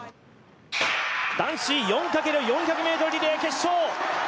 男子４×４００ｍリレー決勝。